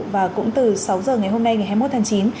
và cũng từ sáu giờ ngày hôm nay ngày hai mươi một tháng chín